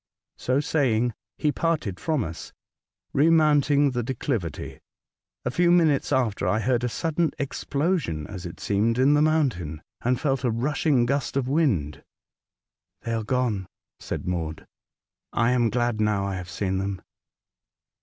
So saying, he parted from us, remounting the declivity. A few minutes after I heard a sudden explosion, as it seemed, in the moun tain, and felt a rushing gust of wind. " They are gone," said Maud. " I am glad, now, I have seen them.